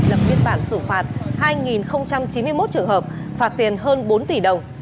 lập biên bản xử phạt hai chín mươi một trường hợp phạt tiền hơn bốn tỷ đồng